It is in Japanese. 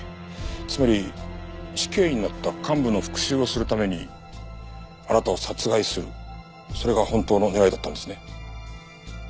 つまり死刑になった幹部の復讐をするためにあなたを殺害するそれが本当の狙いだったんですね。